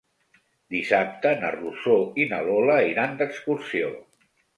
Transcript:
Dissabte na Rosó i na Lola iran d'excursió.